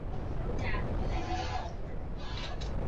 坟丘处也发现了和埴轮。